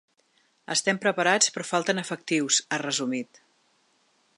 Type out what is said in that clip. Estem preparats però falten efectius, ha resumit.